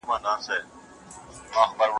دا سفر زما لپاره د یوې نوې تجربې او فکر پیل و.